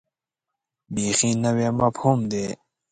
بیخي نوی مفهوم دی.